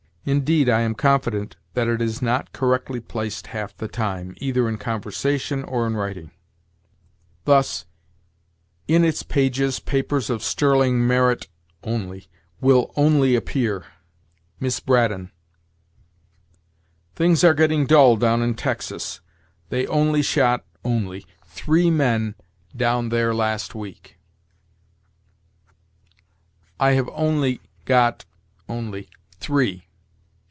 Indeed, I am confident that it is not correctly placed half the time, either in conversation or in writing. Thus, "In its pages, papers of sterling merit [only] will only appear" (Miss Braddon); "Things are getting dull down in Texas; they only shot [only] three men down there last week"; "I have only got [only] three."